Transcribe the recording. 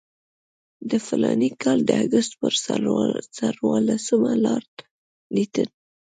د فلاني کال د اګست پر څوارلسمه لارډ لیټن.